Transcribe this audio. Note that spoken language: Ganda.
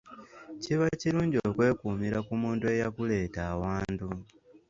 Kiba kirungi okwekuumira ku muntu eyakuleeta awantu.